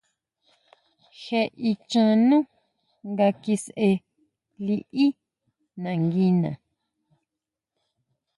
Je me ichán nú nga kisʼe liʼí nanguina.